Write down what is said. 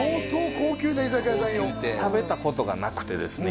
高級店食べたことがなくてですね